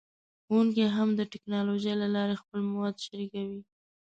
ښوونکي هم د ټیکنالوژۍ له لارې خپل مواد شریکوي.